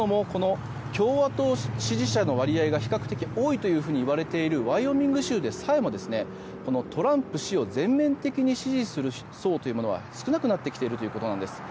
といいますのも共和党支持者の割合が比較的多いとされているワイオミング州でもトランプ氏を全面的に支持する層は少なくなってきているということです。